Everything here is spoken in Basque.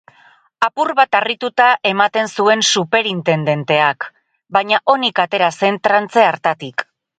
Apur bat harrituta ematen zuen superintendenteak, baina onik atera zen trantze hartatik.